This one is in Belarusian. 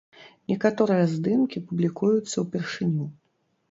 Некаторыя здымкі публікуюцца ўпершыню.